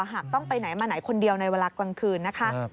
หากต้องไปไหนมาไหนคนเดียวในเวลากลางคืนนะคะ